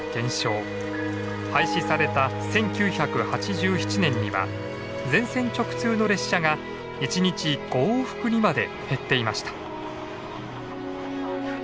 廃止された１９８７年には全線直通の列車が１日５往復にまで減っていました。